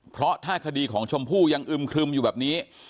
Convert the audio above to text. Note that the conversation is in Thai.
เพราะถ้าคดีของชมพู่ยังอึมครึมอยู่แบบนี้